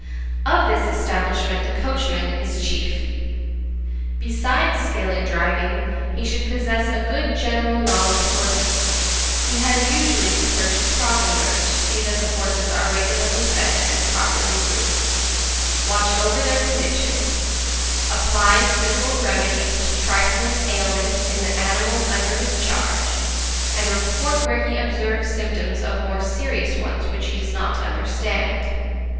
Of this establishment the coachman is chief. Besides skill in driving, he should possess a good general knowledge of horses; he has usually to purchase provender, to see that the horses are regularly fed and properly groomed, watch over their condition, apply simple remedies to trifling ailments in the animals under his charge, and report where he observes symptoms of more serious ones which he does not understand.